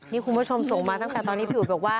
นี่คุณผู้ชมส่งมาตั้งแต่ตอนนี้พี่อุ๋ยบอกว่า